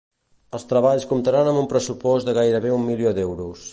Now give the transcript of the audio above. Els treballs comptaran amb un pressupost de gairebé un milió d'euros.